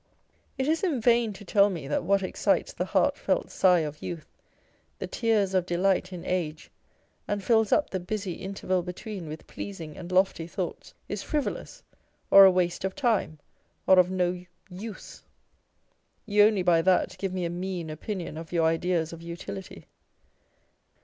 It is in vain to tell me that what excites the heart felt sigh of youth, the tears of delight in age, and fills up the busy interval between with pleasing and lofty thoughts, is frivolous, or a waste of time, or of no use. You only by that give me a mean opinion of your ideas of utility.